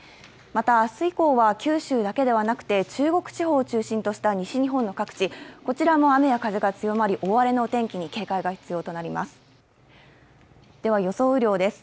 また、明日以降は九州だけではなくて中国地方を中心とした西日本の各地、こちらも雨や風が強まり、大荒れの天気に警戒が必要となります。